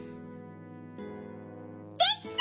できた！